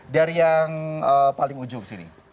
dari yang paling ujung sini